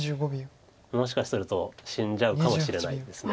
もしかすると死んじゃうかもしれないです。